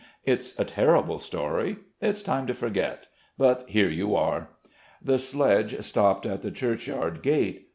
It's a terrible story. It's time to forget.... But here you are!" The sledge stopped at the churchyard gate.